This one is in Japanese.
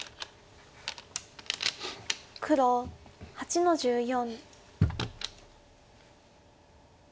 黒８の十四。